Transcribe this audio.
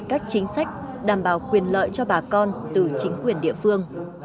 các chính sách đảm bảo quyền lợi cho bà con từ chính quyền địa phương